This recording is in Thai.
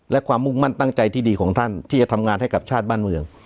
และความมุ่งมั่นตั้งใจที่ดีของท่านที่จะทำงานให้กับชาติบ้านเมือง